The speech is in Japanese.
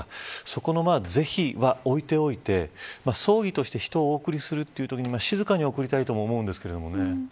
そこの是非は置いておいて葬儀として人をお送りするというときに静かに送りたいとも思うんですけれどね。